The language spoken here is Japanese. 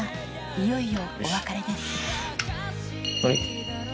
いよいよお別れですのり。